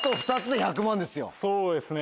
そうですね